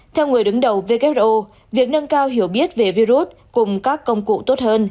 theo người đứng đầu who việc nâng cao hiểu biết về virus cùng các công cụ tốt hơn